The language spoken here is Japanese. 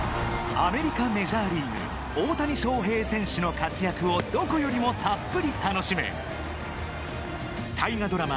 アメリカ・メジャーリーグ大谷翔平選手の活躍をどこよりもたっぷりと楽しめ大河ドラマ